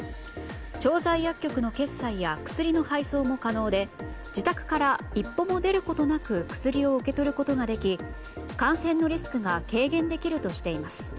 調剤薬局の決済や薬の配送も可能で自宅から一歩も出ることなく薬を受け取ることができ感染のリスクが軽減できるとしています。